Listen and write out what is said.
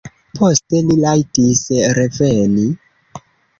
Poste li rajtis reveni.